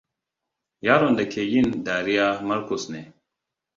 Yaron da ke yin dariya Marcus ne.